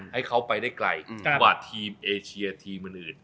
ให้เขาไปได้ไกลกว่าทีมเอเชียทีมอื่น